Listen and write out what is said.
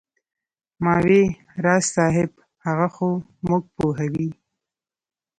ما وې راز صاحب هغه خو موږ پوهوي.